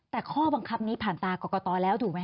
แต่ข้อบังคับนี้ผ่านตากรกตแล้วถูกไหมค